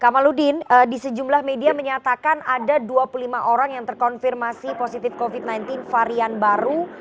kamaludin di sejumlah media menyatakan ada dua puluh lima orang yang terkonfirmasi positif covid sembilan belas varian baru